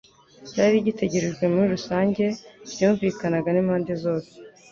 cyari gitegerejwe muri rusange, ryumvikanaga impande zose.